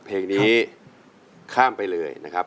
เพลงนี้ข้ามไปเลยนะครับ